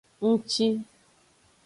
Ngci.